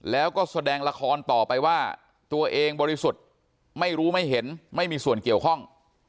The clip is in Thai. แล้วก็แสดงละครต่อไปว่าตัวเองบริสุทธิ์ไม่รู้ไม่เห็นไม่มีส่วนเกี่ยวข้อง